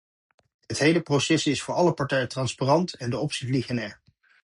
Het hele proces is voor alle partijen transparant, en de opties liggen er.